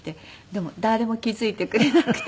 でも誰も気付いてくれなくて。